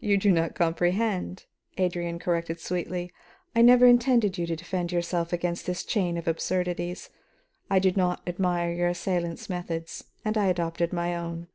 "You do not comprehend," Adrian corrected sweetly. "I never intended to ask you to defend yourself against this chain of absurdities. I do not admire your assailant's methods, and I adopt my own.